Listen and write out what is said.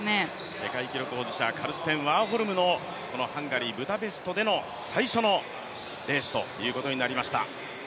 世界記録保持者、カルステン・ワーホルムのハンガリー・ブダペストでの最初のレースということになりました。